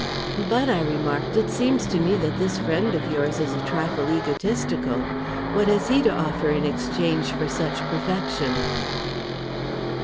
"But," I remarked, "it seems to me that this friend of yours is a trifle egotistical. What has he to offer in exchange for such perfection?"